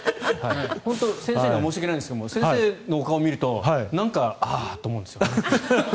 先生には申し訳ないですが先生のお顔を見るとなんかああと思うんですよね。